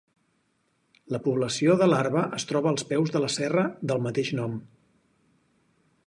La població de Larva es troba als peus de la serra del mateix nom.